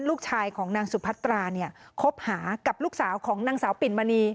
ลูกชายของนางสุพัตราเนี่ยคบหากับลูกสาวของนางสาวปิ่นมณี